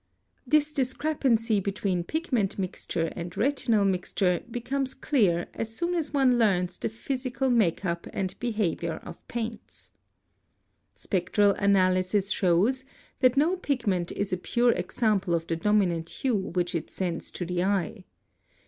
This discrepancy between pigment mixture and retinal mixture becomes clear as soon as one learns the physical make up and behavior of paints. [Illustration: { Vermilion Spectra {{ Em. Green P. B. G. Y. R.] Spectral analysis shows that no pigment is a pure example of the dominant hue which it sends to the eye.